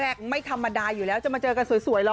เรื่องสังไม่ธรรมดายอยู่แล้วจะมาเจอกันสวยเหรอ